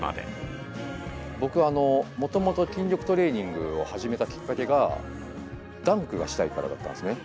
僕もともと筋力トレーニングを始めたきっかけがダンクがしたいからだったんですね。